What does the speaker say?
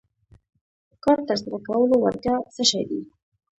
کار تر سره کولو وړتیا څه شی دی.